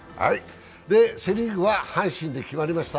セ・リーグは阪神で決まりました。